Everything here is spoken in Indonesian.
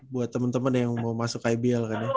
buat temen temen yang mau masuk kbl kan ya